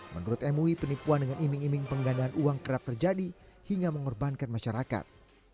menurut mui penipuan dengan iming iming penggandaan uang kerap terjadi hingga mengorbankan masyarakat